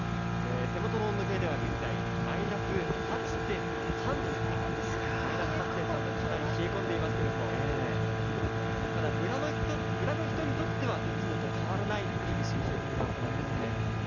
手元の温度計では現在、マイナス８．３度ですか、マイナス８．３度、かなり冷え込んでいますけれども、ただ村の人にとってはいつもと変わらない厳しい冷え込みの朝なんですよね。